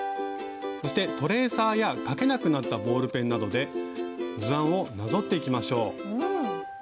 そしてトレーサーや書けなくなったボールペンなどで図案をなぞっていきましょう。